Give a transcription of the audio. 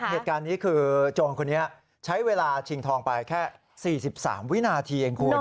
เหตุการณ์นี้คือโจรคนนี้ใช้เวลาชิงทองไปแค่๔๓วินาทีเองคุณ